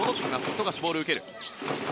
富樫、ボールを受ける。